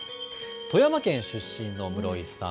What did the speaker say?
富山県出身の室井さん。